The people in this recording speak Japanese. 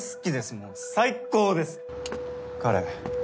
もう最高です彼